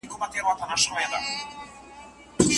پلار له ډېر وخته دا ساعت ساتلی و.